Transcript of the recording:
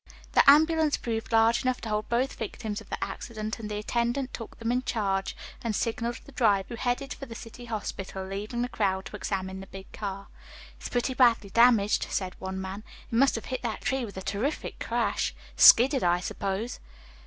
The ambulance proved large enough to hold both victims of the accident and the attendant took them in charge, and signaled the driver, who headed for the city hospital, leaving the crowd to examine the big car. "It's pretty badly damaged," said one man. "It must have hit that tree with a terrific crash. Skidded, I suppose."